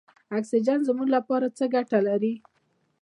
اکسیجن زموږ لپاره څه ګټه لري.